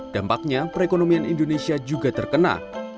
dampaknya perekonomian indonesia juga terkena